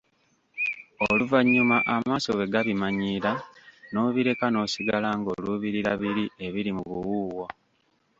Oluvanyuma amaaso bwe gabimanyiira n'obireka n'osigala ng'oluubirira biri ebiri mu buwuuwo.